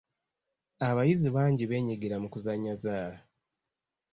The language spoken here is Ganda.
Abayizi bangi beenyigira mu kuzannya zzaala.